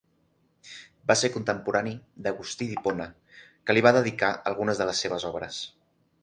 Va ser contemporani d'Agustí d'Hipona, que li va dedicar algunes de les seves obres.